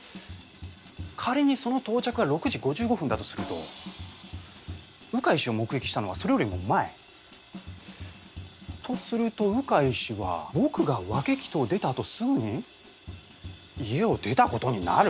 仮にその到着が６時５５分だとすると鵜飼氏を目撃したのはそれよりも前。とすると鵜飼氏は僕が分鬼頭を出たあとすぐに家を出た事になる？